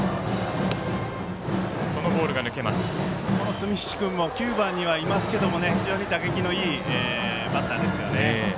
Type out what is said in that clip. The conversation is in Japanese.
住石君も９番にいますけど非常に打撃のいいバッターですね。